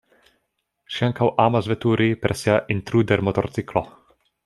Ŝi ankaŭ amas veturi per sia Intruder-motorciklo.